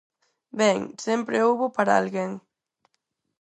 Ben, sempre houbo para alguén.